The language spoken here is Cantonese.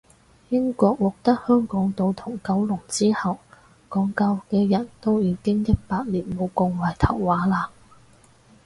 英國獲得香港島同九龍之後，港九嘅人都已經一百年冇講圍頭話喇